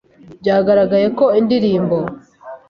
byagaragaye ko indirimbo